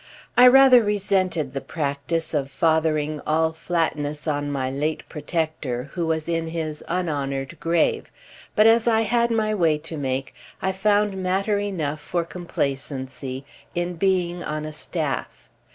I rather resented the practice of fathering all flatness on my late protector, who was in his unhonoured grave; but as I had my way to make I found matter enough for complacency in being on a "staff."